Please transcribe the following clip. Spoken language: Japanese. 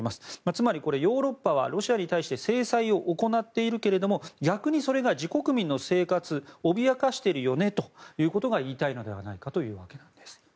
つまり、ヨーロッパはロシアに対して制裁を行っているけれども逆にそれが自国民の生活を脅かしているよねということが言いたいのではないかというわけなんです。